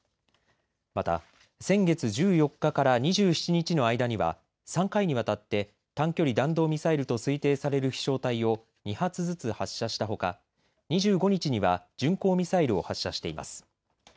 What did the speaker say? また、先月１４日から２７日の間には３回にわたって短距離弾道ミサイルと推定される飛しょう体を２発ずつ発射したほか２５日には巡航ミサイルを発射しています。